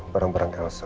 berang berang di elsa